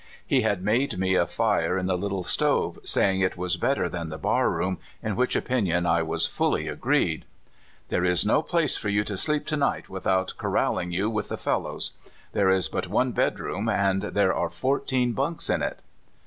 He had made me a fire in the little stove, saying it was better than the barroom, in which opinion I was fully agreed. '* There is no place for you to sleep to night without corraling you with the fellows ; there is 20O CALIFORNIA SKETCHES. but one bedroom, and there are fourteen bunks in it."